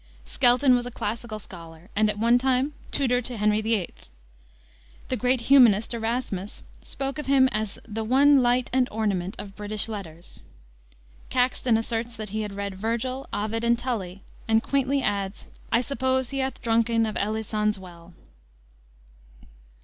Skelton was a classical scholar, and at one time tutor to Henry VIII. The great humanist, Erasmus, spoke of him as the "one light and ornament of British letters." Caxton asserts that he had read Virgil, Ovid, and Tully, and quaintly adds, "I suppose he hath dronken of Elycon's well."